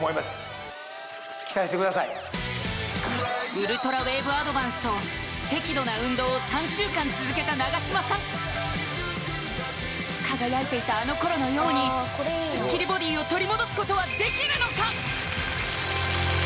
ウルトラウェーブアドバンスと適度な運動を３週間続けた永島さん輝いていたあの頃のようにスッキリボディを取り戻すことはできるのか？